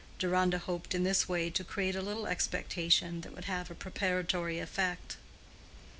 Deronda hoped in this way to create a little expectation that would have a preparatory effect.